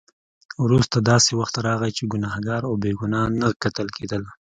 وروسته داسې وخت راغی چې ګناهګار او بې ګناه نه کتل کېدل.